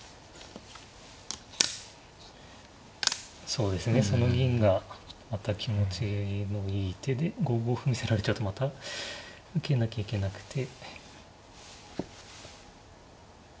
そうですねその銀がまた気持ちのいい手で５五歩見せられちゃうとまた受けなきゃいけなくて。